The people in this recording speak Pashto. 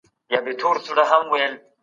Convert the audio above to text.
رنګ و جمال دی